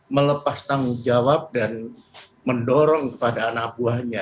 melepas tanggung jawab dan mendorong kepada anak buahnya